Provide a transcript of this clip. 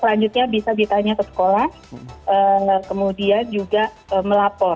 kemudian juga melapor